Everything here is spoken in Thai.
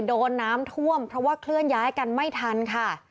โดนน้ำท่วมเพราะว่าเคลื่อนย้ายกันไม่ทันค่ะ